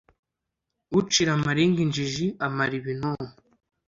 ucira amarenga injiji ,amara ibinonko